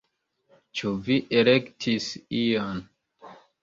Ĉu vi elektis ion?